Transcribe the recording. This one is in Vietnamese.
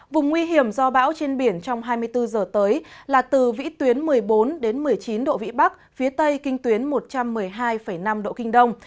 vùng nguy hiểm do bão trên biển trong hai mươi bốn h tới là từ vĩ tuyến một mươi bốn đến một mươi chín độ vĩ bắc phía tây kinh tuyến một trăm một mươi hai năm độ kinh đông